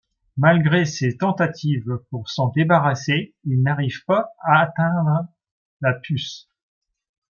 Malgré ses tentatives pour s'en débarrassé, il arrive pas atteindre la puce.